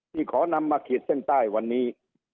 ขอนำมาขีดเส้นใต้วันนี้